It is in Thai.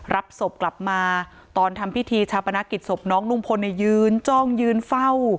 รับศพกลับมาตอนทำพิธีชาปนกิจศพน้องลุงพลเนี่ยยืนจ้องยืนเฝ้า